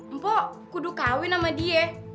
mpo kudu kawin sama dia